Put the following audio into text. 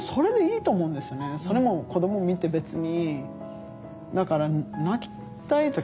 それを子ども見て別に。